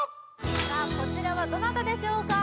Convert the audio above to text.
さあこちらはどなたでしょうか